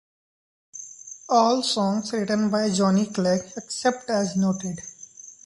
All songs written by Johnny Clegg except as noted.